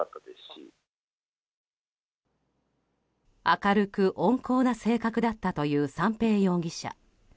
明るく温厚な性格だったという三瓶容疑者。